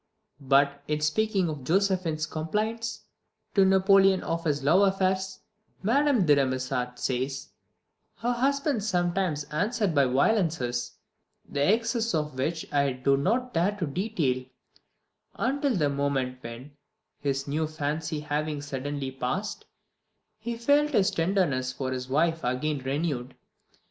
But in speaking of Josephine's complaints to Napoleon of his love affairs, Madame de Remusat says, "Her husband sometimes answered by violences, the excesses of which I do not dare to detail, until the moment when, his new fancy having suddenly passed, he felt his tenderness for his wife again renewed.